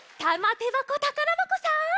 てばこたからばこさん